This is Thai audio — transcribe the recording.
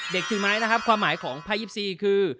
ถือไม้นะครับความหมายของไพ่๒๔คือ